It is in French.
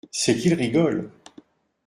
C’est qu’il rigole.